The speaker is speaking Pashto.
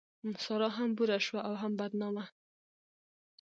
سارا هم بوره شوه او هم بدنامه.